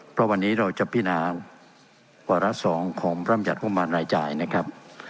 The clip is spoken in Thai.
เพราะวันนี้เราจะพินาวาระสองของพร่ำหยัดห้วงมารรายจ่ายนะครับ